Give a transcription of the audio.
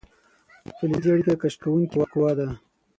فلزي اړیکه کش کوونکې قوه ده.